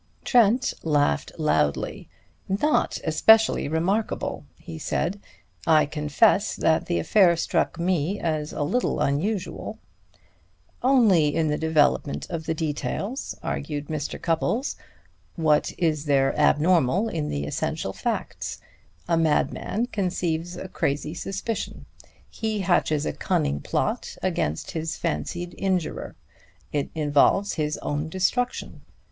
Trent laughed loudly. "Not especially remarkable!" he said. "I confess that the affair struck me as a little unusual." "Only in the development of the details," argued Mr. Cupples. "What is there abnormal in the essential facts? A madman conceives a crazy suspicion; he hatches a cunning plot against his fancied injurer; it involves his own destruction.